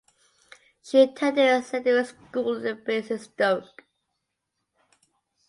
She attended secondary school in Basingstoke.